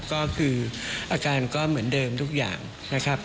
ก็คืออาการก็เหมือนเดิมทุกอย่างนะครับ